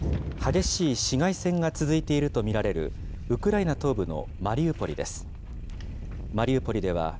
激しい市街戦が続いていると見られるウクライナ東部のマリウポリです。